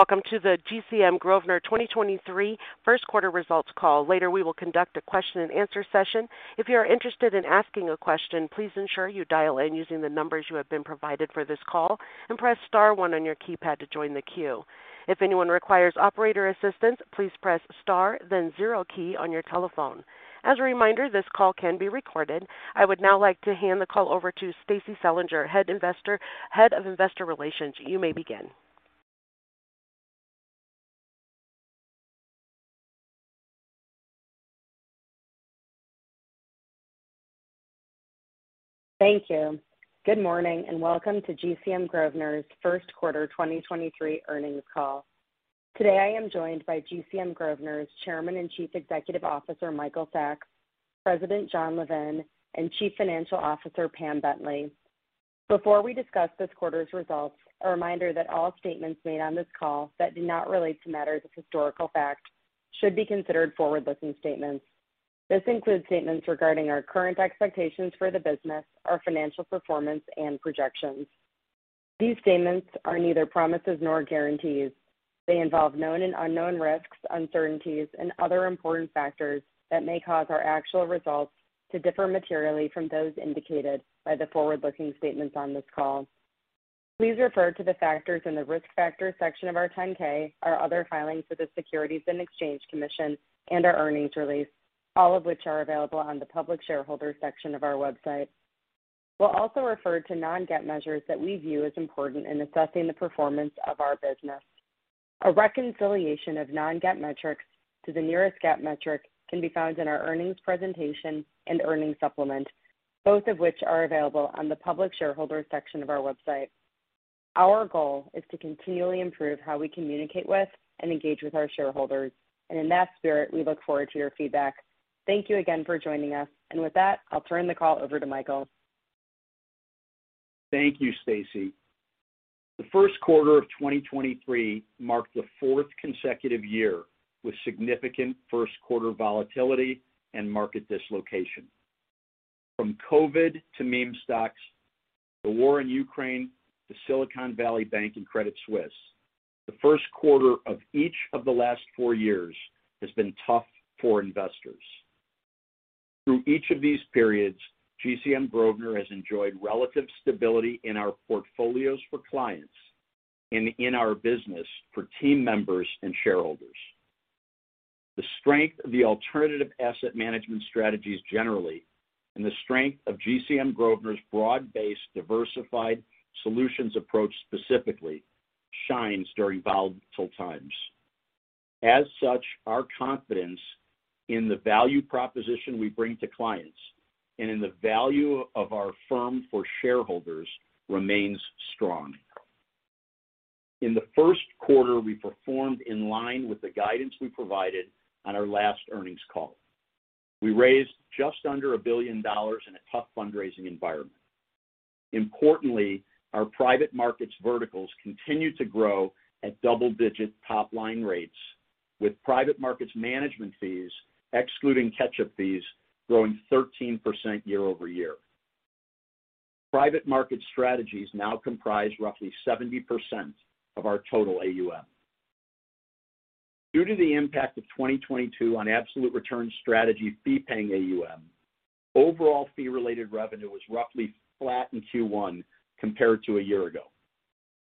Welcome to the GCM Grosvenor 2023 first quarter results call. Later, we will conduct a question and answer session. If you are interested in asking a question, please ensure you dial in using the numbers you have been provided for this call, and press star one on your keypad to join the queue. If anyone requires operator assistance, please press star then zero key on your telephone. As a reminder, this call can be recorded. I would now like to hand the call over to Stacie Selinger, Head of Investor Relations. You may begin. Thank you. Good morning and welcome to GCM Grosvenor's 1st quarter 2023 earnings call. Today I am joined by GCM Grosvenor's Chairman and Chief Executive Officer, Michael Sacks, President John Levin, and Chief Financial Officer Pam Bentley. Before we discuss this quarter's results, a reminder that all statements made on this call that do not relate to matters of historical fact should be considered forward-looking statements. This includes statements regarding our current expectations for the business, our financial performance, and projections. These statements are neither promises nor guarantees. They involve known and unknown risks, uncertainties, and other important factors that may cause our actual results to differ materially from those indicated by the forward-looking statements on this call. Please refer to the factors in the Risk Factors section of our 10-K, our other filings with the Securities and Exchange Commission, and our earnings release, all of which are available on the Public Shareholders section of our website. We'll also refer to non-GAAP measures that we view as important in assessing the performance of our business. A reconciliation of non-GAAP metrics to the nearest GAAP metric can be found in our earnings presentation and earnings supplement, both of which are available on the Public Shareholders section of our website. Our goal is to continually improve how we communicate with and engage with our shareholders, and in that spirit, we look forward to your feedback. Thank you again for joining us. With that, I'll turn the call over to Michael. Thank you, Stacy. The 1st quarter of 2023 marked the 4th consecutive year with significant 1st quarter volatility and market dislocation. From COVID to meme stocks, the war in Ukraine to Silicon Valley Bank and Credit Suisse, the 1st quarter of each of the last 4 years has been tough for investors. Through each of these periods, GCM Grosvenor has enjoyed relative stability in our portfolios for clients and in our business for team members and shareholders. The strength of the alternative asset management strategies generally, and the strength of GCM Grosvenor's broad-based diversified solutions approach specifically shines during volatile times. Our confidence in the value proposition we bring to clients and in the value of our firm for shareholders remains strong. In the 1st quarter, we performed in line with the guidance we provided on our last earnings call. We raised just under $1 billion in a tough fundraising environment. Importantly, our private markets verticals continued to grow at double-digit top-line rates, with private markets management fees, excluding catch-up fees, growing 13% year-over-year. Private market strategies now comprise roughly 70% of our total AUM. Due to the impact of 2022 on absolute return strategy fee-paying AUM, overall fee-related revenue was roughly flat in Q1 compared to a year ago.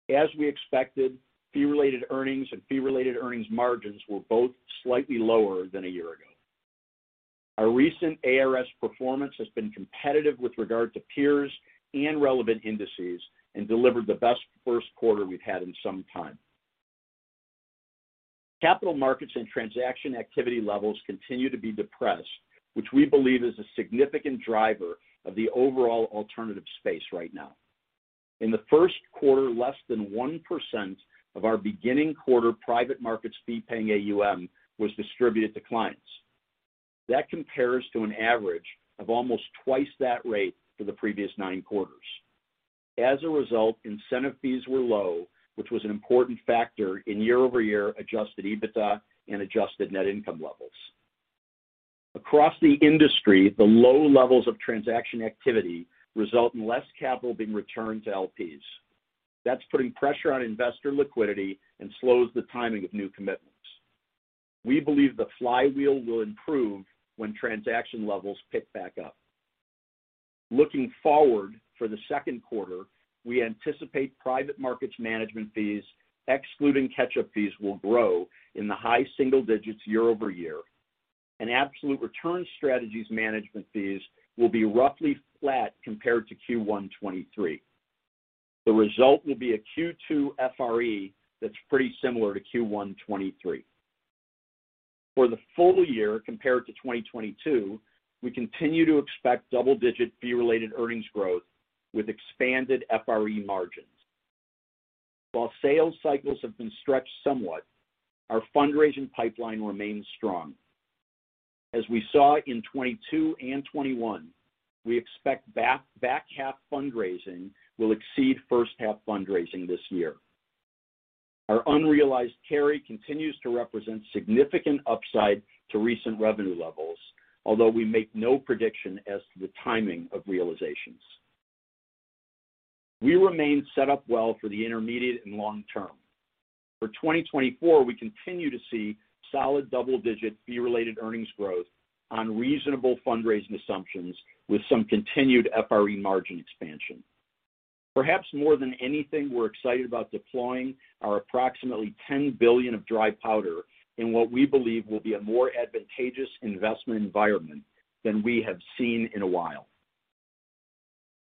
As we expected, fee-related earnings and fee-related earnings margins were both slightly lower than a year ago. Our recent ARS performance has been competitive with regard to peers and relevant indices and delivered the best first quarter we've had in some time. Capital markets and transaction activity levels continue to be depressed, which we believe is a significant driver of the overall alternative space right now. In the first quarter, less than 1% of our beginning quarter private markets fee-paying AUM was distributed to clients. That compares to an average of almost twice that rate for the previous 9 quarters. As a result, incentive fees were low, which was an important factor in year-over-year adjusted EBITDA and adjusted net income levels. Across the industry, the low levels of transaction activity result in less capital being returned to LPs. That's putting pressure on investor liquidity and slows the timing of new commitments. We believe the flywheel will improve when transaction levels pick back up. Looking forward for the second quarter, we anticipate private markets management fees, excluding catch-up fees, will grow in the high single digits year-over-year, and absolute return strategies management fees will be roughly flat compared to Q1 23. The result will be a Q2 FRE that's pretty similar to Q1 2023. For the full year compared to 2022, we continue to expect double-digit fee-related earnings growth with expanded FRE margins. While sales cycles have been stretched somewhat, our fundraising pipeline remains strong. As we saw in 2022 and 2021, we expect back half fundraising will exceed first half fundraising this year. Our unrealized carry continues to represent significant upside to recent revenue levels, although we make no prediction as to the timing of realizations. We remain set up well for the intermediate and long term. For 2024, we continue to see solid double-digit fee-related earnings growth on reasonable fundraising assumptions with some continued FRE margin expansion. Perhaps more than anything, we're excited about deploying our approximately $10 billion of dry powder in what we believe will be a more advantageous investment environment than we have seen in a while.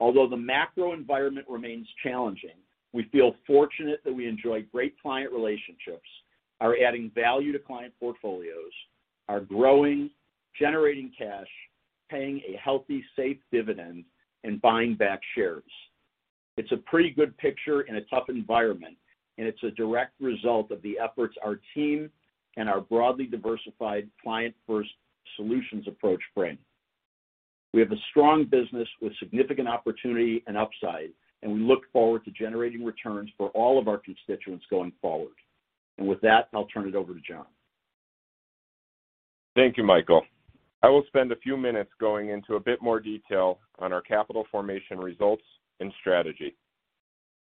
Although the macro environment remains challenging, we feel fortunate that we enjoy great client relationships, are adding value to client portfolios, are growing, generating cash, paying a healthy, safe dividend, and buying back shares. It's a pretty good picture in a tough environment. It's a direct result of the efforts our team and our broadly diversified client-first solutions approach bring. We have a strong business with significant opportunity and upside. We look forward to generating returns for all of our constituents going forward. With that, I'll turn it over to John. Thank you, Michael. I will spend a few minutes going into a bit more detail on our capital formation results and strategy.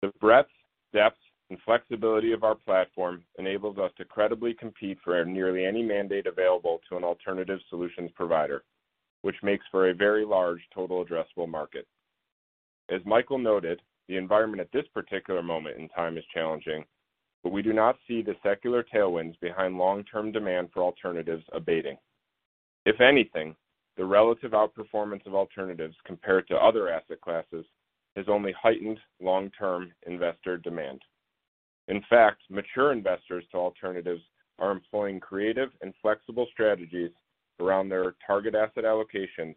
The breadth, depth, and flexibility of our platform enables us to credibly compete for nearly any mandate available to an alternative solutions provider, which makes for a very large total addressable market. As Michael noted, the environment at this particular moment in time is challenging, but we do not see the secular tailwinds behind long-term demand for alternatives abating. If anything, the relative outperformance of alternatives compared to other asset classes has only heightened long-term investor demand. In fact, mature investors to alternatives are employing creative and flexible strategies around their target asset allocations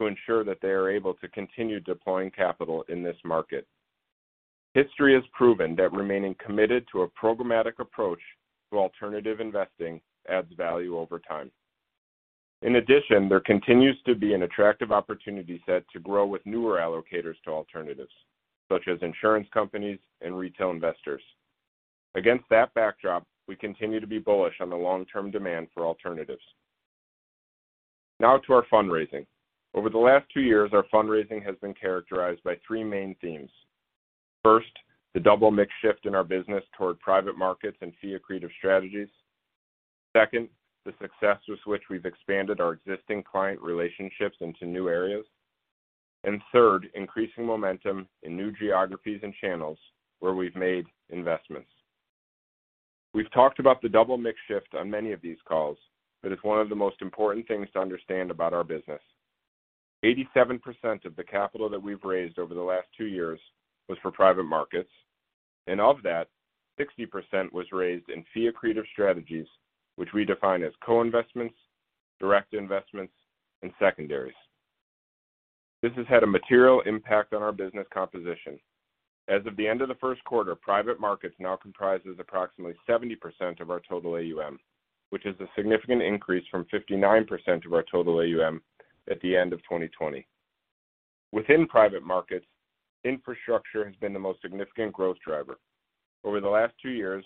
to ensure that they are able to continue deploying capital in this market. History has proven that remaining committed to a programmatic approach to alternative investing adds value over time. In addition, there continues to be an attractive opportunity set to grow with newer allocators to alternatives, such as insurance companies and retail investors. Against that backdrop, we continue to be bullish on the long-term demand for alternatives. To our fundraising. Over the last 2 years, our fundraising has been characterized by three main themes. First, the double mix shift in our business toward private markets and fee-accretive strategies. Second, the success with which we've expanded our existing client relationships into new areas. Third, increasing momentum in new geographies and channels where we've made investments. We've talked about the double mix shift on many of these calls, it's one of the most important things to understand about our business. 87% of the capital that we've raised over the last 2 years was for private markets, and of that, 60% was raised in fee-accretive strategies, which we define as co-investments, direct investments, and secondaries. This has had a material impact on our business composition. As of the end of the first quarter, private markets now comprises approximately 70% of our total AUM, which is a significant increase from 59% of our total AUM at the end of 2020. Within private markets, infrastructure has been the most significant growth driver. Over the last 2 years,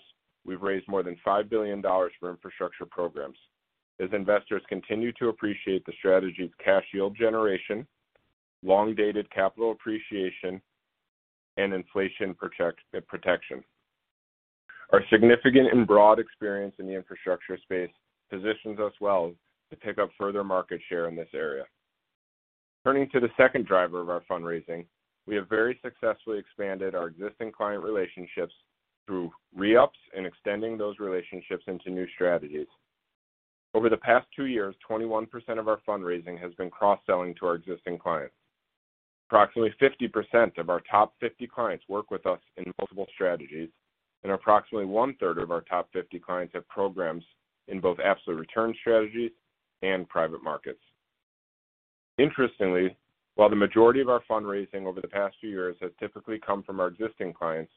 we've raised more than $5 billion for infrastructure programs as investors continue to appreciate the strategy of cash yield generation, long-dated capital appreciation, and inflation protection. Our significant and broad experience in the infrastructure space positions us well to pick up further market share in this area. Turning to the second driver of our fundraising, we have very successfully expanded our existing client relationships through re-ups and extending those relationships into new strategies. Over the past two years, 21% of our fundraising has been cross-selling to our existing clients. Approximately 50% of our top 50 clients work with us in multiple strategies, and approximately one-third of our top 50 clients have programs in both absolute return strategies and private markets. Interestingly, while the majority of our fundraising over the past few years has typically come from our existing clients,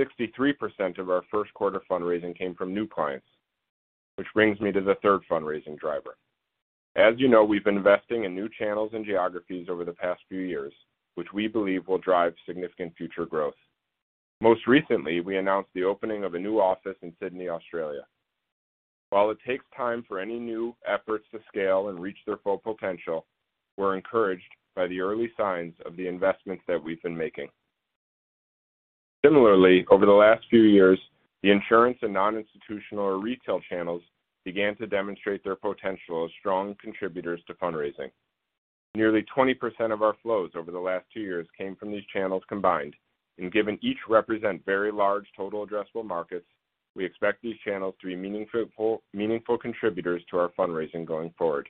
63% of our first quarter fundraising came from new clients, which brings me to the third fundraising driver. As you know, we've been investing in new channels and geographies over the past few years, which we believe will drive significant future growth. Most recently, we announced the opening of a new office in Sydney, Australia. While it takes time for any new efforts to scale and reach their full potential, we're encouraged by the early signs of the investments that we've been making. Similarly, over the last few years, the insurance and non-institutional or retail channels began to demonstrate their potential as strong contributors to fundraising. Nearly 20% of our flows over the last 2 years came from these channels combined. Given each represent very large total addressable markets, we expect these channels to be meaningful contributors to our fundraising going forward.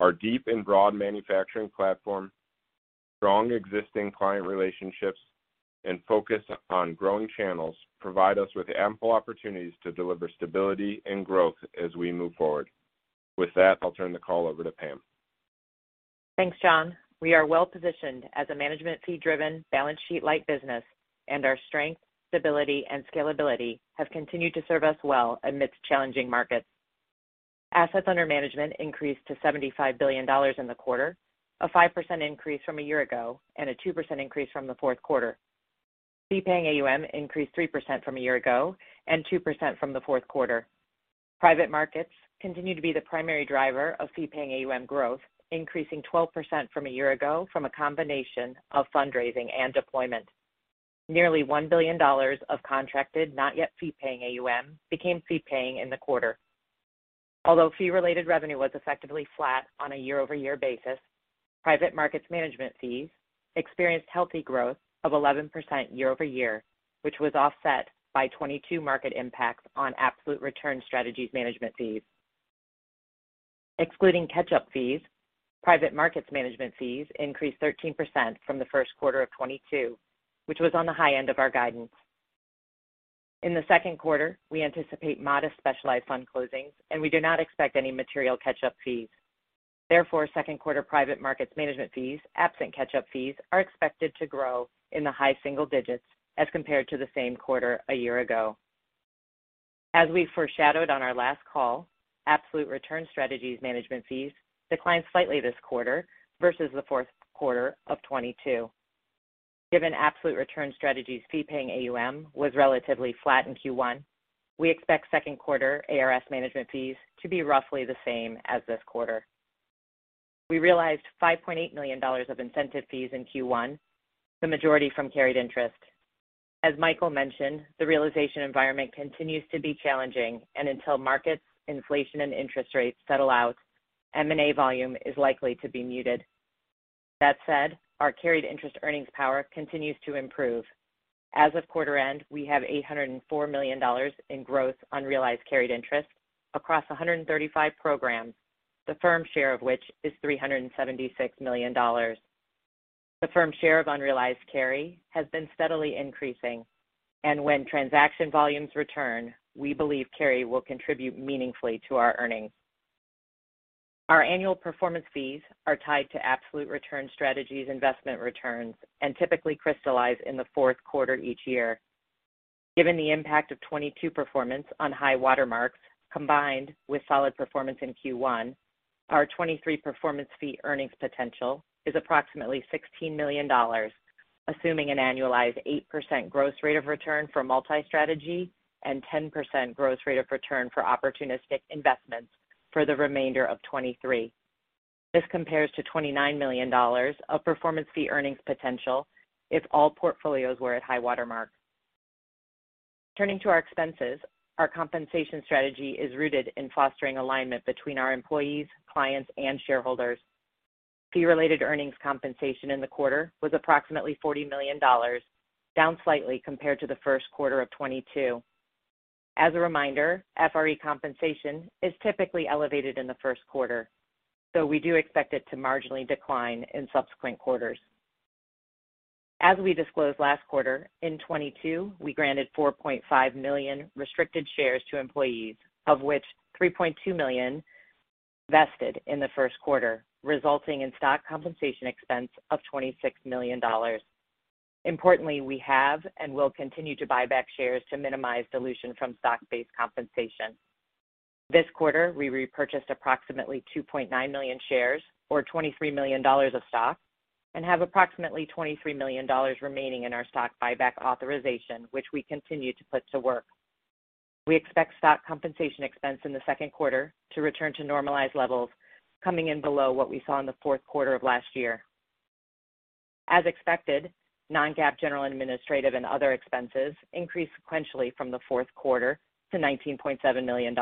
Our deep and broad manufacturing platform, strong existing client relationships, and focus on growing channels provide us with ample opportunities to deliver stability and growth as we move forward. With that, I'll turn the call over to Pam. Thanks, John. We are well-positioned as a management fee-driven balance sheet light business, and our strength, stability, and scalability have continued to serve us well amidst challenging markets. Assets under management increased to $75 billion in the quarter, a 5% increase from a year ago, and a 2% increase from the fourth quarter. Fee-paying AUM increased 3% from a year ago and 2% from the fourth quarter. Private markets continue to be the primary driver of fee-paying AUM growth, increasing 12% from a year ago from a combination of fundraising and deployment. Nearly $1 billion of contracted, not yet fee-paying AUM became fee-paying in the quarter. Although fee-related revenue was effectively flat on a year-over-year basis, private markets management fees experienced healthy growth of 11% year-over-year, which was offset by 2022 market impacts on absolute return strategies management fees. Excluding catch-up fees, private markets management fees increased 13% from the first quarter of 2022, which was on the high end of our guidance. In the second quarter, we anticipate modest specialized fund closings, and we do not expect any material catch-up fees. Second quarter private markets management fees, absent catch-up fees, are expected to grow in the high single digits as compared to the same quarter a year-ago. As we foreshadowed on our last call, absolute return strategies management fees declined slightly this quarter versus the fourth quarter of 22. Given absolute return strategies fee-paying AUM was relatively flat in Q1, we expect second quarter ARS management fees to be roughly the same as this quarter. We realized $5.8 million of incentive fees in Q1, the majority from carried interest. As Michael mentioned, the realization environment continues to be challenging, until markets, inflation, and interest rates settle out, M&A volume is likely to be muted. That said, our carried interest earnings power continues to improve. As of quarter end, we have $804 million in gross unrealized carried interest across 135 programs, the firm's share of which is $376 million. The firm's share of unrealized carry has been steadily increasing. When transaction volumes return, we believe carry will contribute meaningfully to our earnings. Our annual performance fees are tied to absolute return strategies investment returns and typically crystallize in the fourth quarter each year. Given the impact of 2022 performance on high watermarks combined with solid performance in Q1, our 2023 performance fee earnings potential is approximately $16 million, assuming an annualized 8% gross rate of return for multi-strategy and 10% gross rate of return for opportunistic investments for the remainder of 2023. This compares to $29 million of performance fee earnings potential if all portfolios were at high watermarks. Turning to our expenses, our compensation strategy is rooted in fostering alignment between our employees, clients, and shareholders. Fee-related earnings compensation in the quarter was approximately $40 million, down slightly compared to the first quarter of 2022. As a reminder, FRE compensation is typically elevated in the first quarter, so we do expect it to marginally decline in subsequent quarters. As we disclosed last quarter, in 2022, we granted 4.5 million restricted shares to employees, of which 3.2 million vested in the first quarter, resulting in stock compensation expense of $26 million. Importantly, we have and will continue to buy back shares to minimize dilution from stock-based compensation. This quarter, we repurchased approximately 2.9 million shares or $23 million of stock and have approximately $23 million remaining in our stock buyback authorization, which we continue to put to work. We expect stock compensation expense in the second quarter to return to normalized levels coming in below what we saw in the fourth quarter of last year. As expected, non-GAAP general administrative and other expenses increased sequentially from the fourth quarter to $19.7 million.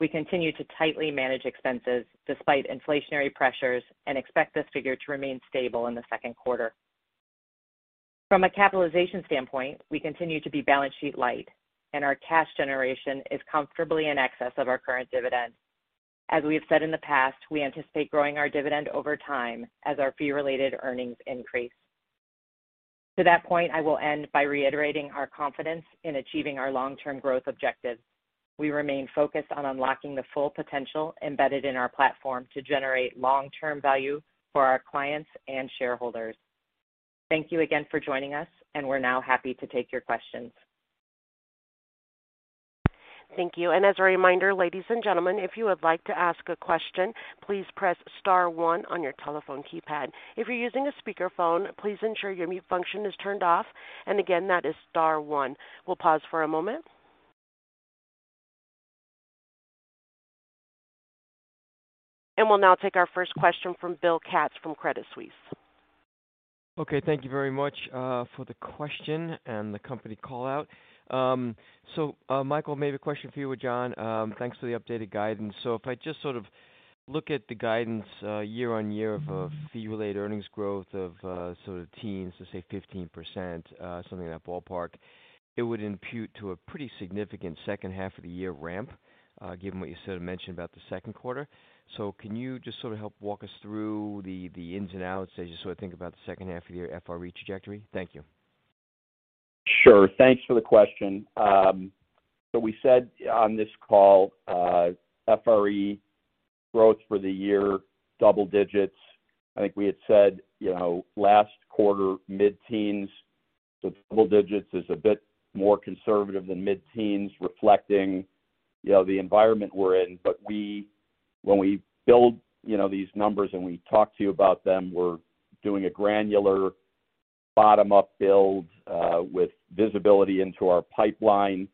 We continue to tightly manage expenses despite inflationary pressures and expect this figure to remain stable in the second quarter. From a capitalization standpoint, we continue to be balance sheet light, and our cash generation is comfortably in excess of our current dividend. As we have said in the past, we anticipate growing our dividend over time as our fee-related earnings increase. To that point, I will end by reiterating our confidence in achieving our long-term growth objectives. We remain focused on unlocking the full potential embedded in our platform to generate long-term value for our clients and shareholders. Thank you again for joining us, and we're now happy to take your questions. Thank you. As a reminder, ladies and gentlemen, if you would like to ask a question, please press star one on your telephone keypad. If you're using a speakerphone, please ensure your mute function is turned off. Again, that is star one. We'll pause for a moment. We'll now take our first question from Bill Katz from Credit Suisse. Okay. Thank you very much for the question and the company call-out. Michael, maybe a question for you or John. Thanks for the updated guidance. If I just sort of look at the guidance year-over-year of a fee-related earnings growth of sort of teens to, say, 15%, something in that ballpark, it would impute to a pretty significant second half of the year ramp given what you sort of mentioned about the second quarter. Can you just sort of help walk us through the ins and outs as you sort of think about the second half of the year FRE trajectory? Thank you. Sure. Thanks for the question. We said on this call, FRE growth for the year, double digits. I think we had said, you know, last quarter, mid-teens. Double digits is a bit more conservative than mid-teens, reflecting, you know, the environment we're in. When we build, you know, these numbers and we talk to you about them, we're doing a granular bottom-up build, with visibility into our pipeline.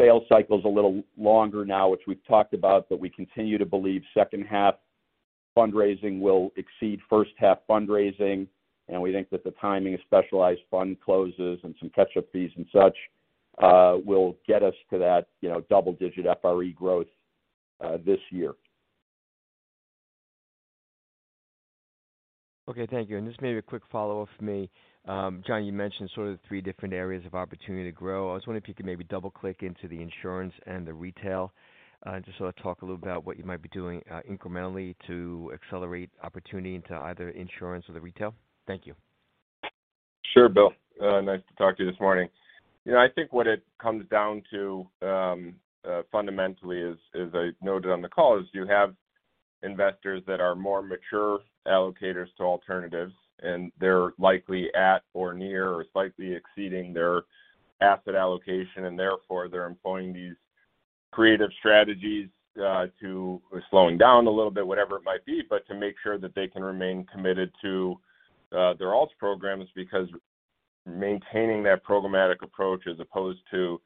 Sales cycle's a little longer now, which we've talked about, but we continue to believe second half fundraising will exceed first half fundraising. We think that the timing of specialized fund closes and some catch-up fees and such, will get us to that, you know, double-digit FRE growth, this year. Okay, thank you. Just maybe a quick follow-up from me. John, you mentioned sort of the three different areas of opportunity to grow. I was wondering if you could maybe double-click into the insurance and the retail, just sort of talk a little about what you might be doing, incrementally to accelerate opportunity into either insurance or the retail. Thank you. Sure, Bill. Nice to talk to you this morning. You know, I think what it comes down to, fundamentally is I noted on the call is you have investors that are more mature allocators to alternatives, and they're likely at or near or slightly exceeding their asset allocation. Therefore, they're employing these creative strategies, or slowing down a little bit, whatever it might be, but to make sure that they can remain committed to, their alts programs. Maintaining that programmatic approach as opposed to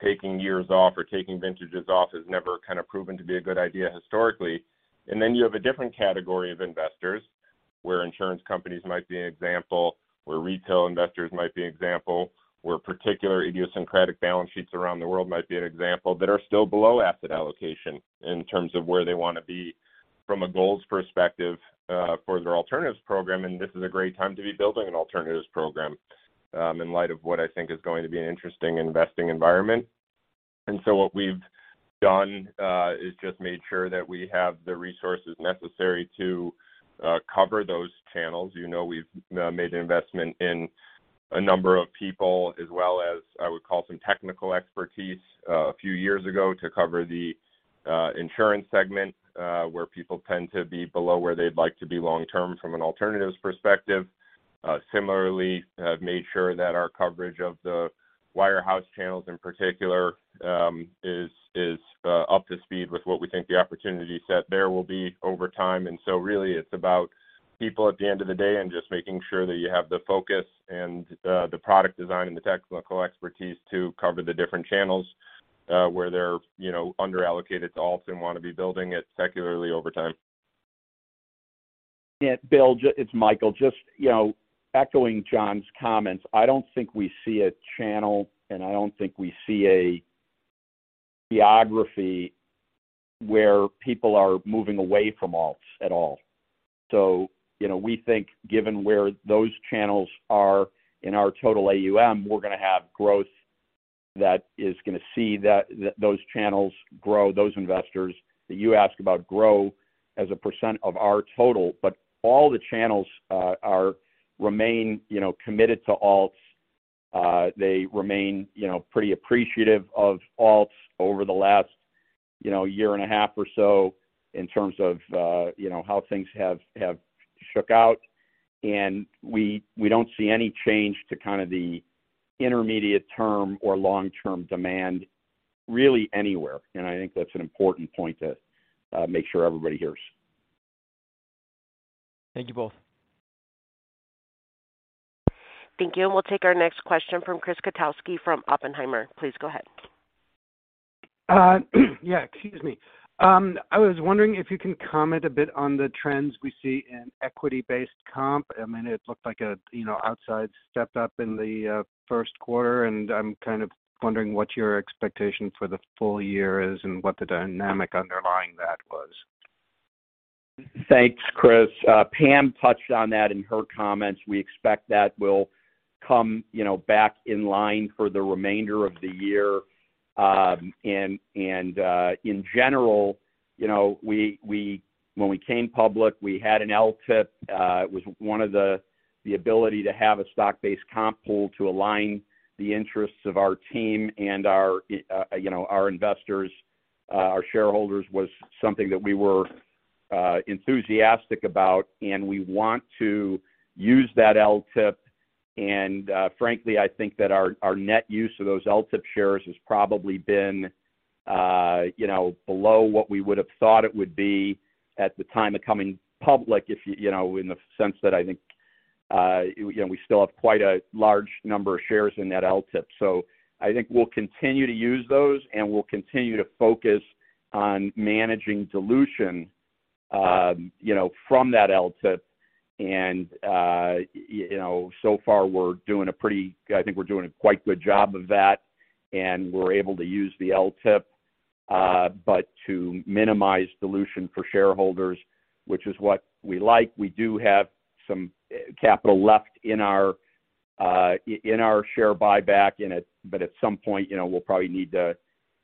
taking years off or taking vintages off has never kind of proven to be a good idea historically. You have a different category of investors where insurance companies might be an example, where retail investors might be an example, where particular idiosyncratic balance sheets around the world might be an example that are still below asset allocation in terms of where they wanna be from a goals perspective, for their alternatives program. This is a great time to be building an alternatives program, in light of what I think is going to be an interesting investing environment. What we've done, is just made sure that we have the resources necessary to, cover those channels. You know, we've made an investment in a number of people as well as I would call some technical expertise a few years ago to cover the insurance segment, where people tend to be below where they'd like to be long term from an alternatives perspective. Similarly have made sure that our coverage of the wire house channels in particular, is up to speed with what we think the opportunity set there will be over time. Really it's about people at the end of the day and just making sure that you have the focus and the product design and the technical expertise to cover the different channels, where they're, you know, underallocated to alts and wanna be building it secularly over time. Yeah. Bill, it's Michael. Just, you know, echoing John's comments. I don't think we see a channel, and I don't think we see a geography where people are moving away from alts at all. You know, we think given where those channels are in our total AUM, we're gonna have growth that is gonna see that, those channels grow, those investors that you ask about grow as a % of our total. All the channels remain, you know, committed to alts. They remain, you know, pretty appreciative of alts over the last, you know, year and a half or so in terms of, you know, how things have shook out. We don't see any change to kind of the intermediate term or long-term demand really anywhere. I think that's an important point to make sure everybody hears. Thank you both. Thank you. We'll take our next question from Chris Kotowski from Oppenheimer. Please go ahead. Yeah. Excuse me. I was wondering if you can comment a bit on the trends we see in equity-based comp. I mean, it looked like a, you know, outside step-up in the first quarter. I'm kind of wondering what your expectation for the full year is and what the dynamic underlying that was. Thanks, Chris. Pam touched on that in her comments. We expect that will come, you know, back in line for the remainder of the year. in general, you know, When we came public, we had an LTIP. it was one of the ability to have a stock-based compensation pool to align the interests of our team and our, you know, our investors, our shareholders was something that we were enthusiastic about, and we want to use that LTIP. frankly, I think that our net use of those LTIP shares has probably been, you know, below what we would've thought it would be at the time of coming public if you know, in the sense that I think, you know, we still have quite a large number of shares in that LTIP. I think we'll continue to use those, and we'll continue to focus on managing dilution, you know, from that LTIP. You know, so far we're doing a quite good job of that, and we're able to use the LTIP, but to minimize dilution for shareholders, which is what we like. We do have some capital left in our share buyback in it. At some point, you know, we'll probably need to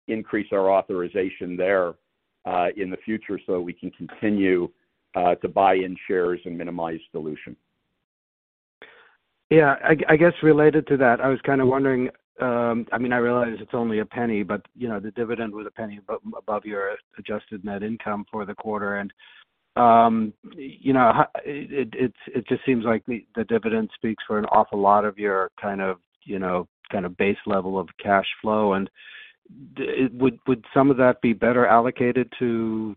increase our authorization there in the future so that we can continue to buy in shares and minimize dilution. Yeah. I guess related to that, I was kind of wondering, I mean, I realize it's only $0.01, but, you know, the dividend was $0.01 above your adjusted net income for the quarter. You know, it's just seems like the dividend speaks for an awful lot of your kind of, you know, kind of base level of cash flow. Would some of that be better allocated to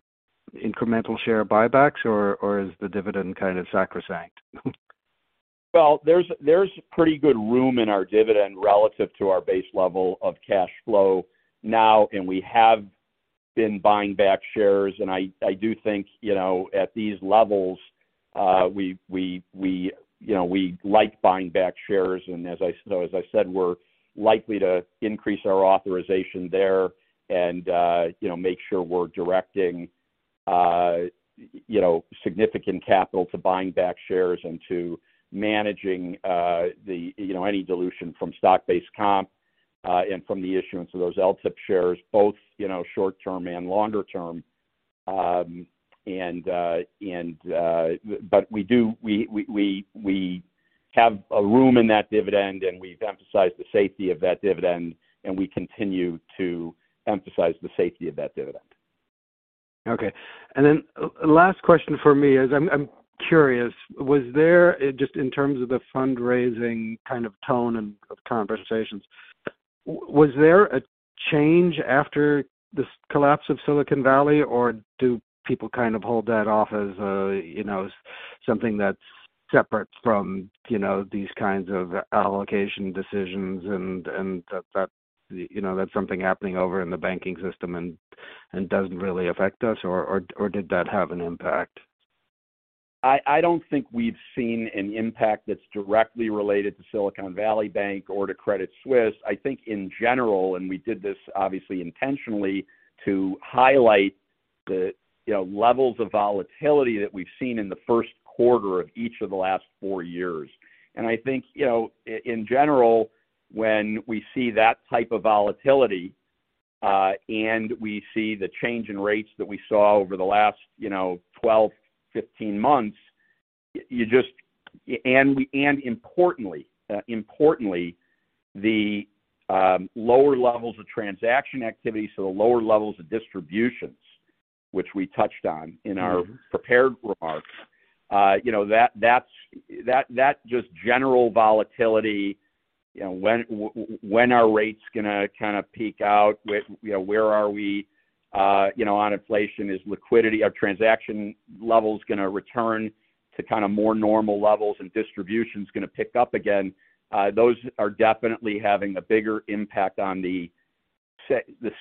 incremental share buybacks, or is the dividend kind of sacrosanct? Well, there's pretty good room in our dividend relative to our base level of cash flow now, and we have been buying back shares. I do think, you know, at these levels, we, you know, we like buying back shares. So as I said, we're likely to increase our authorization there, you know, make sure we're directing, you know, significant capital to buying back shares and to managing, the, you know, any dilution from stock-based compensation, and from the issuance of those LTIP shares, both, you know, short-term and longer term. We have a room in that dividend, and we've emphasized the safety of that dividend, and we continue to emphasize the safety of that dividend. Okay. last question for me is, I'm curious, was there... Just in terms of the fundraising kind of tone and of conversations, was there a change after the collapse of Silicon Valley, or do people kind of hold that off as a, you know, something that's separate from, you know, these kinds of allocation decisions and that, you know, that's something happening over in the banking system and doesn't really affect us, or did that have an impact? I don't think we've seen an impact that's directly related to Silicon Valley Bank or to Credit Suisse. I think in general, we did this obviously intentionally, to highlight the, you know, levels of volatility that we've seen in the first quarter of each of the last four years. I think, you know, in general, when we see that type of volatility, and we see the change in rates that we saw over the last, you know, 12, 15 months, you just. Importantly, importantly, the lower levels of transaction activity, so the lower levels of distributions, which we touched on in our prepared remarks, you know, that just general volatility, you know, when are rates gonna kinda peak out? Where? You know, where are we, you know, on inflation? Are transaction levels gonna return to kind of more normal levels and distributions gonna pick up again? Those are definitely having a bigger impact on the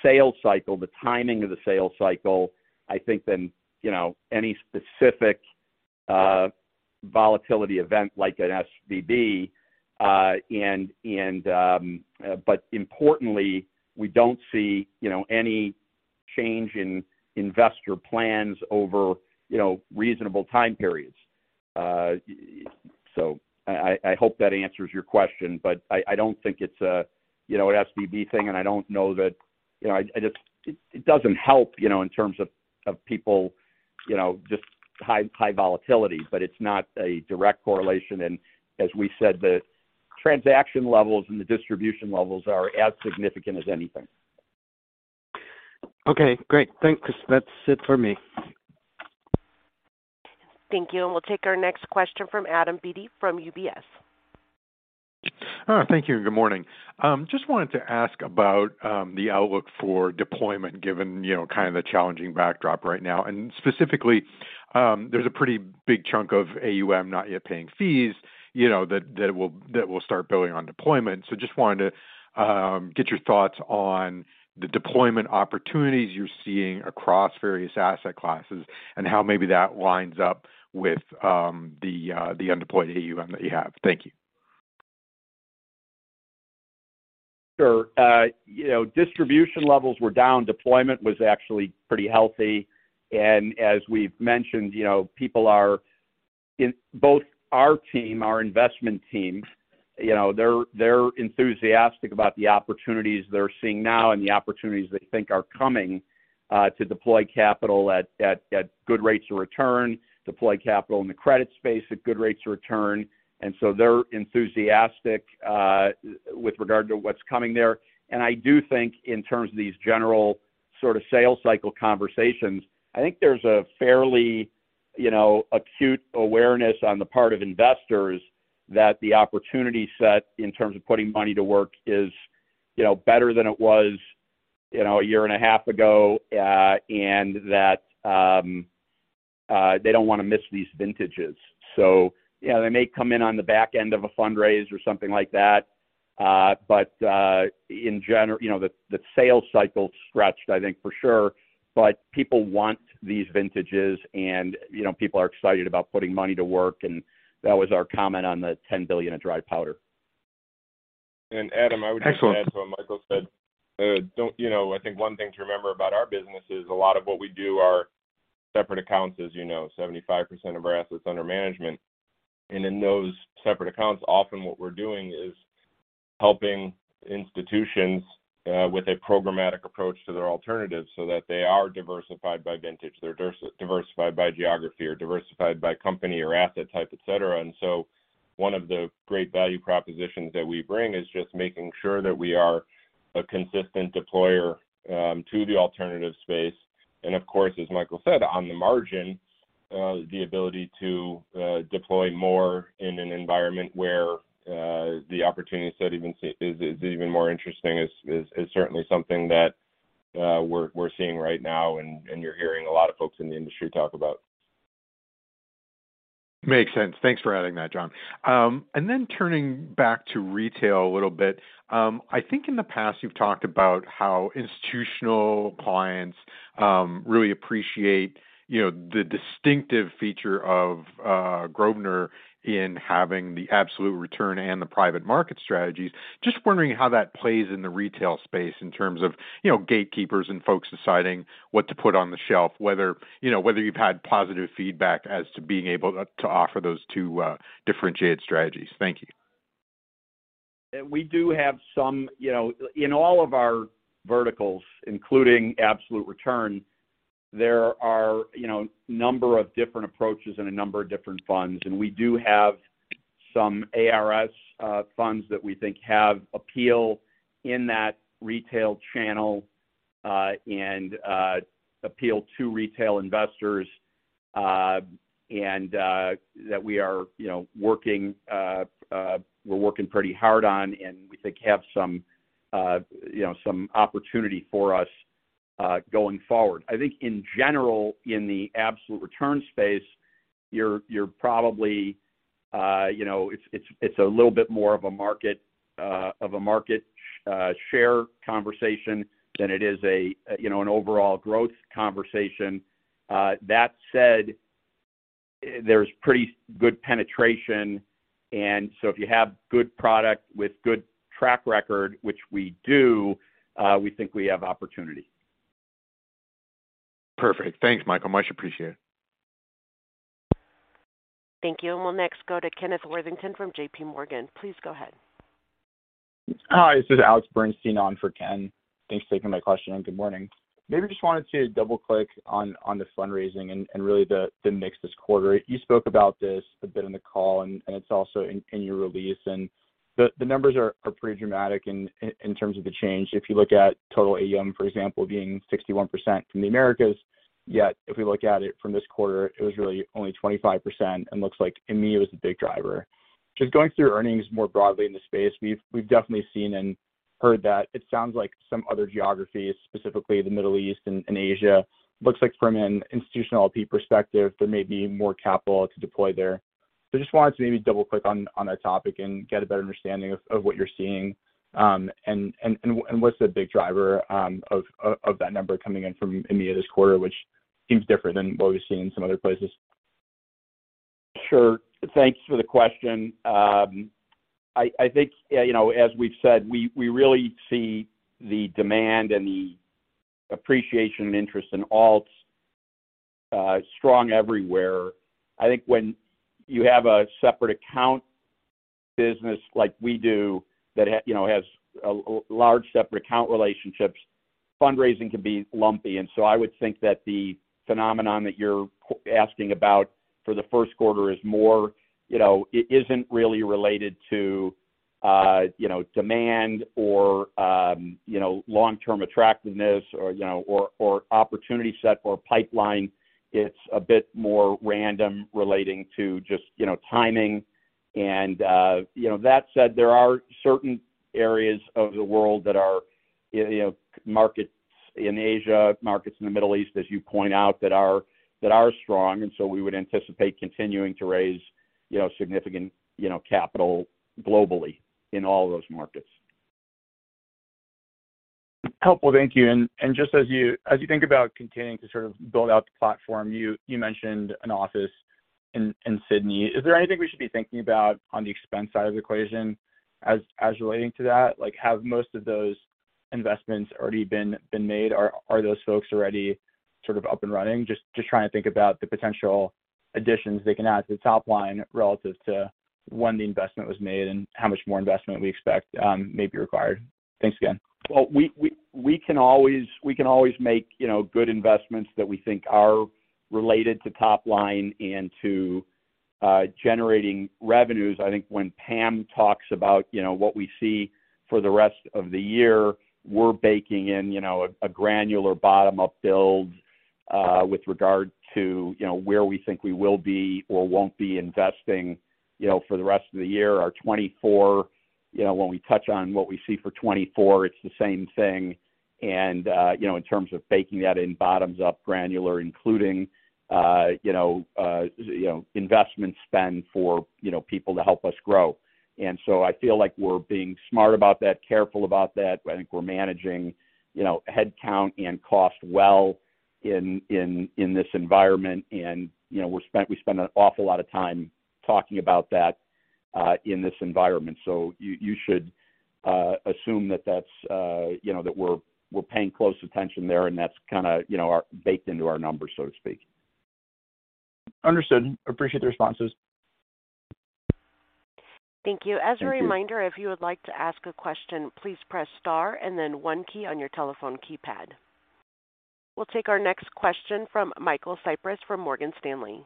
sales cycle, the timing of the sales cycle, I think, than, you know, any specific volatility event like an SVB. Importantly, we don't see, you know, any change in investor plans over, you know, reasonable time periods. I hope that answers your question, but I don't think it's a, you know, an SVB thing, and I don't know that. You know, I just. It doesn't help, you know, in terms of people, you know, just high volatility, but it's not a direct correlation. As we said, the transaction levels and the distribution levels are as significant as anything. Okay, great. Thanks. That's it for me. Thank you. We'll take our next question from Adam Beatty from UBS. Thank you and good morning. Just wanted to ask about the outlook for deployment given, you know, kind of the challenging backdrop right now. Specifically, there's a pretty big chunk of AUM not yet paying fees, you know, that will start building on deployment. Just wanted to get your thoughts on the deployment opportunities you're seeing across various asset classes and how maybe that lines up with the undeployed AUM that you have. Thank you. Sure. you know, distribution levels were down. Deployment was actually pretty healthy. As we've mentioned, you know, In both our team, our investment team, you know, they're enthusiastic about the opportunities they're seeing now and the opportunities they think are coming to deploy capital at good rates of return, deploy capital in the credit space at good rates of return. they're enthusiastic with regard to what's coming there. I do think in terms of these general sort of sales cycle conversations, I think there's a fairly, you know, acute awareness on the part of investors that the opportunity set in terms of putting money to work is, you know, better than it was, you know, a year and a half ago, and that they don't wanna miss these vintages. You know, they may come in on the back end of a fundraise or something like that. You know, the sales cycle stretched, I think, for sure, but people want these vintages and, you know, people are excited about putting money to work. That was our comment on the $10 billion of dry powder. Adam, I would just add to what Michael said. You know, I think one thing to remember about our business is a lot of what we do are separate accounts, as you know, 75% of our assets under management. In those separate accounts, often what we're doing is helping institutions with a programmatic approach to their alternatives so that they are diversified by vintage, they're diversified by geography or diversified by company or asset type, et cetera. One of the great value propositions that we bring is just making sure that we are a consistent deployer to the alternative space. Of course, as Michael said, on the margin, the ability to deploy more in an environment where the opportunity set is even more interesting is certainly something that we're seeing right now and you're hearing a lot of folks in the industry talk about. Makes sense. Thanks for adding that, John. Turning back to retail a little bit. I think in the past, you've talked about how institutional clients, really appreciate, you know, the distinctive feature of Grosvenor in having the absolute return and the private market strategies. Just wondering how that plays in the retail space in terms of, you know, gatekeepers and folks deciding what to put on the shelf, whether, you know, whether you've had positive feedback as to being able to offer those two differentiated strategies. Thank you. We do have some. You know, in all of our verticals, including absolute return, there are, you know, number of different approaches and a number of different funds. We do have some ARS funds that we think have appeal in that retail channel, and appeal to retail investors, and that we are, you know, working pretty hard on, and we think have some, you know, some opportunity for us going forward. I think in general, in the absolute return space, you're probably, you know, it's a little bit more of a market of a market share conversation than it is a, you know, an overall growth conversation. That said, there's pretty good penetration. If you have good product with good track record, which we do, we think we have opportunity. Perfect. Thanks, Michael. Much appreciated. Thank you. We'll next go to Kenneth Worthington from JP Morgan. Please go ahead. Hi, this is Alex Bernstein on for Ken. Thanks for taking my question. Good morning. Maybe just wanted to double-click on the fundraising and really the mix this quarter. You spoke about this a bit in the call and it's also in your release. The numbers are pretty dramatic in terms of the change. If you look at total AUM, for example, being 61% from the Americas, yet if we look at it from this quarter, it was really only 25% and looks like EMEA was a big driver. Just going through earnings more broadly in the space, we've definitely seen and heard that it sounds like some other geographies, specifically the Middle East and Asia, looks like from an institutional LP perspective, there may be more capital to deploy there. Just wanted to maybe double-click on that topic and get a better understanding of what you're seeing. What's the big driver, of that number coming in from EMEA this quarter, which seems different than what we've seen in some other places. Sure. Thanks for the question. I think, you know, as we've said, we really see the demand and the appreciation and interest in alts, strong everywhere. I think when you have a separate account business like we do that, you know, has a large separate account relationships, fundraising can be lumpy. I would think that the phenomenon that you're asking about for the first quarter is more, you know, it isn't really related to, you know, demand or, you know, long-term attractiveness or opportunity set or pipeline. It's a bit more random relating to just, you know, timing. You know, that said, there are certain areas of the world that are, you know, markets in Asia, markets in the Middle East, as you point out, that are strong. We would anticipate continuing to raise, you know, significant, you know, capital globally in all those markets. Helpful. Thank you. Just as you think about continuing to sort of build out the platform, you mentioned an office in Sydney. Is there anything we should be thinking about on the expense side of the equation as relating to that? Like, have most of those investments already been made? Are those folks already sort of up and running? Just trying to think about the potential additions they can add to the top line relative to when the investment was made and how much more investment we expect may be required. Thanks again. Well, we can always make, you know, good investments that we think are related to top line and to generating revenues. I think when Pam talks about, you know, what we see for the rest of the year, we're baking in, you know, a granular bottom-up build with regard to, you know, where we think we will be or won't be investing, you know, for the rest of the year. Our 2024, you know, when we touch on what we see for 2024, it's the same thing. You know, in terms of baking that in bottom-up granular, including, you know, investment spend for, you know, people to help us grow. I feel like we're being smart about that, careful about that. I think we're managing, you know, headcount and cost well in this environment. You know, we spend an awful lot of time talking about that in this environment. You should assume that that's, you know, that we're paying close attention there, and that's kinda, you know, baked into our numbers, so to speak. Understood. Appreciate the responses. Thank you. Thank you. As a reminder, if you would like to ask a question, please press star and then one key on your telephone keypad. We'll take our next question from Michael Cyprys from Morgan Stanley.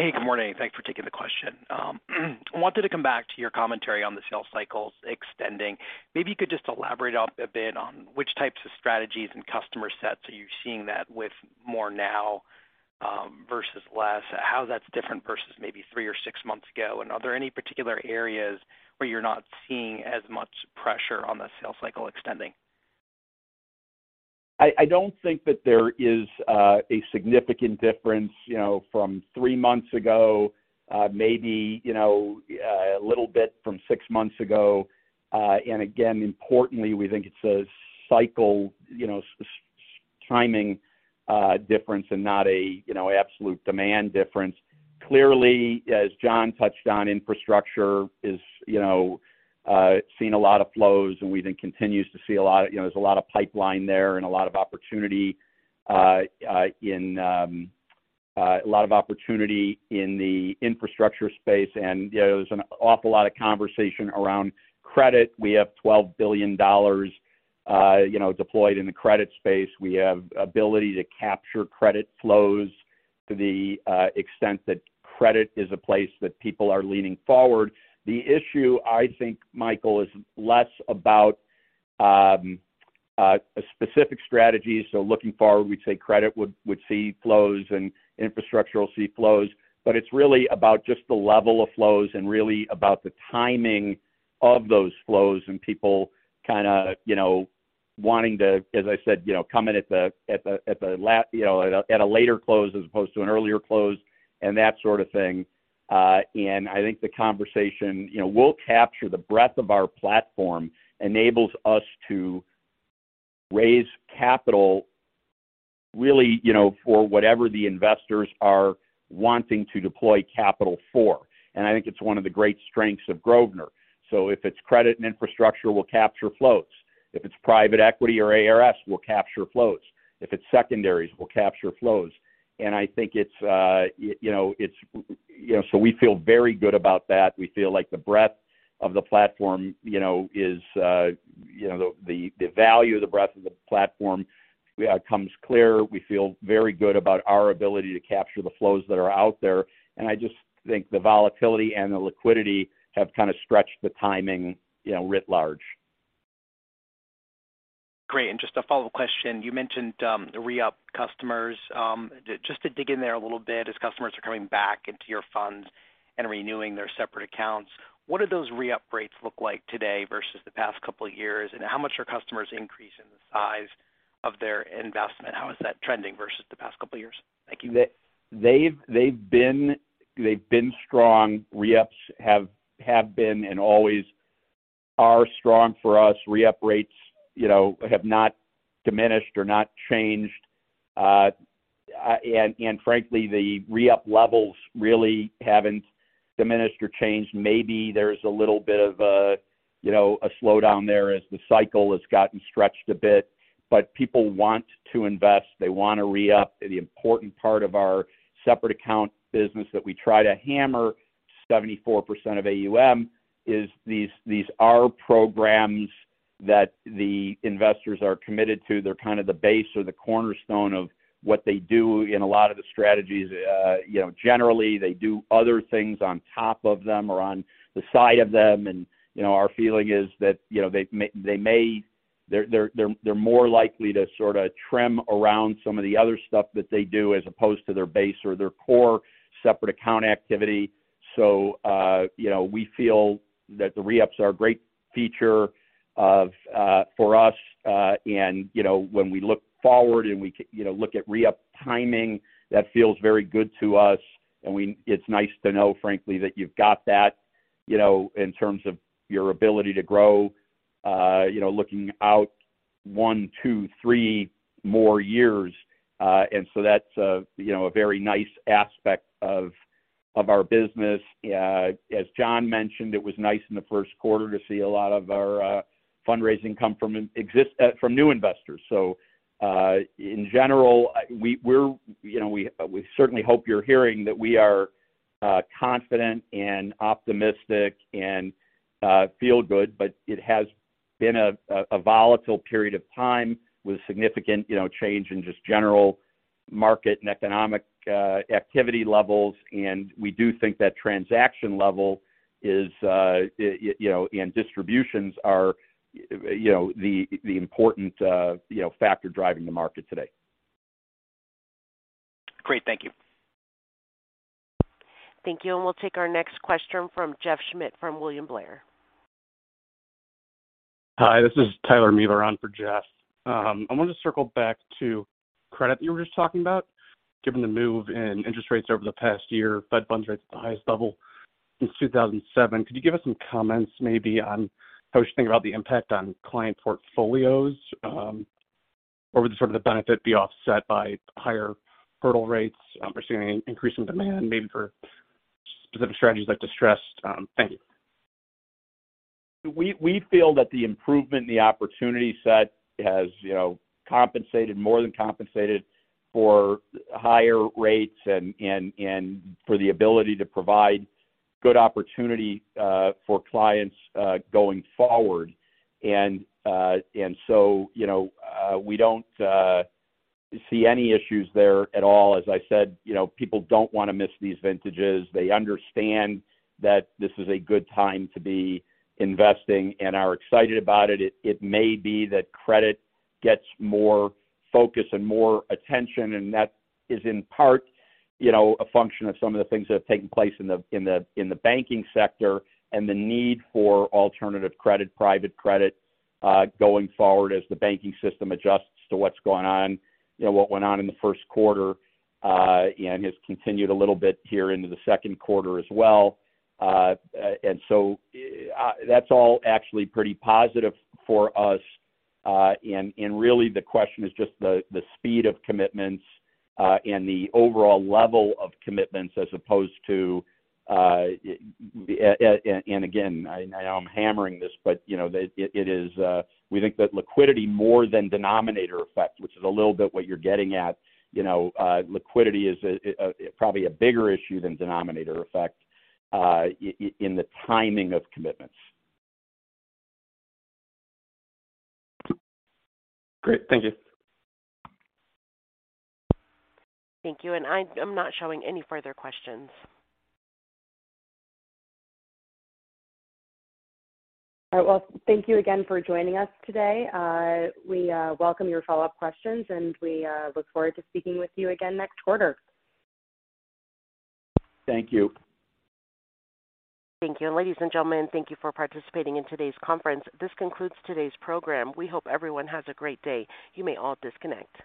Hey, good morning. Thanks for taking the question. I wanted to come back to your commentary on the sales cycles extending. Maybe you could just elaborate on a bit on which types of strategies and customer sets are you seeing that with more now, versus less, how that's different versus maybe three or six months ago? Are there any particular areas where you're not seeing as much pressure on the sales cycle extending? I don't think that there is a significant difference, you know, from 3 months ago, maybe, you know, a little bit from 6 months ago. Again, importantly, we think it's a cycle, you know, timing difference and not a, you know, absolute demand difference. Clearly, as John touched on, infrastructure is, you know, seeing a lot of flows, and we then continues to see a lot of, you know, there's a lot of pipeline there and a lot of opportunity in the infrastructure space. You know, there's an awful lot of conversation around credit. We have $12 billion, you know, deployed in the credit space. We have ability to capture credit flows to the extent that credit is a place that people are leaning forward. The issue, I think, Michael, is less about specific strategies. Looking forward, we'd say credit would see flows and infrastructure will see flows. It's really about just the level of flows and really about the timing of those flows and people kinda, you know, wanting to, as I said, you know, come in at the, you know, at a later close as opposed to an earlier close and that sort of thing. I think the conversation, you know, we'll capture the breadth of our platform enables us to raise capital really, you know, for whatever the investors are wanting to deploy capital for. I think it's one of the great strengths of Grosvenor. If it's credit and infrastructure, we'll capture flows. If it's private equity or ARS, we'll capture flows. If it's secondaries, we'll capture flows. I think it's, you know, it's, you know, we feel very good about that. We feel like the breadth of the platform, you know, is, you know, the value of the breadth of the platform comes clear. We feel very good about our ability to capture the flows that are out there. I just think the volatility and the liquidity have kind of stretched the timing, you know, writ large. Great. Just a follow-up question. You mentioned the re-up customers. Just to dig in there a little bit, as customers are coming back into your funds and renewing their separate accounts, what do those re-up rates look like today versus the past couple of years? How much are customers increasing the size of their investment? How is that trending versus the past couple of years? Thank you. They've been strong. Re-ups have been and always are strong for us. Re-up rates, you know, have not diminished or not changed, and frankly, the re-up levels really haven't diminished or changed. Maybe there's a little bit of a, you know, a slowdown there as the cycle has gotten stretched a bit. People want to invest, they wanna re-up. The important part of our separate account business that we try to hammer 74% of AUM is these R programs that the investors are committed to. They're kind of the base or the cornerstone of what they do in a lot of the strategies. You know, generally they do other things on top of them or on the side of them. You know, our feeling is that, you know, they may they're more likely to sorta trim around some of the other stuff that they do as opposed to their base or their core separate account activity. You know, we feel that the re-ups are a great feature of for us. You know, when we look forward and we you know, look at re-up timing, that feels very good to us. It's nice to know, frankly, that you've got that, you know, in terms of your ability to grow, you know, looking out one, two, three more years. That's a, you know, a very nice aspect of our business. As John mentioned, it was nice in the first quarter to see a lot of our fundraising come from new investors. In general, we're, you know, we certainly hope you're hearing that we are confident and optimistic and feel good. It has been a volatile period of time with significant, you know, change in just general market and economic activity levels. We do think that transaction level is, you know, and distributions are, you know, the important, you know, factor driving the market today. Great. Thank you. Thank you. We'll take our next question from Jeff Schmitt from William Blair. Hi, this is Tyler Mieler on for Jeff. I want to circle back to credit you were just talking about. Given the move in interest rates over the past year, fed funds rates at the highest level since 2007, could you give us some comments maybe on how we should think about the impact on client portfolios? Would the sort of the benefit be offset by higher hurdle rates, pursuing an increase in demand maybe for specific strategies like distressed? Thank you. We feel that the improvement in the opportunity set has, you know, compensated, more than compensated for higher rates and for the ability to provide good opportunity for clients going forward. So, you know, we don't see any issues there at all. As I said, you know, people don't wanna miss these vintages. They understand that this is a good time to be investing and are excited about it. It may be that credit gets more focus and more attention, and that is in part, you know, a function of some of the things that have taken place in the banking sector and the need for alternative credit, private credit going forward as the banking system adjusts to what's gone on. You know, what went on in the first quarter, and has continued a little bit here into the second quarter as well. That's all actually pretty positive for us. Really the question is just the speed of commitments and the overall level of commitments as opposed to, We think that liquidity more than Denominator Effect, which is a little bit what you're getting at. You know, liquidity is probably a bigger issue than Denominator Effect in the timing of commitments. Great. Thank you. Thank you. I'm not showing any further questions. All right. Well, thank you again for joining us today. We welcome your follow-up questions, and we look forward to speaking with you again next quarter. Thank you. Thank you. Ladies and gentlemen, thank you for participating in today's conference. This concludes today's program. We hope everyone has a great day. You may all disconnect.